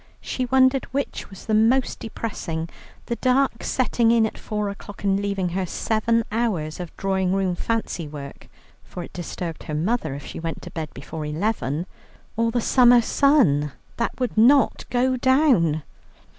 She wondered which was the most depressing, the dark setting in at four o'clock and leaving her seven hours of drawing room fancy work (for it disturbed her mother if she went to bed before eleven), or the summer sun that would not go down.